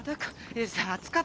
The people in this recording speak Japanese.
えっ？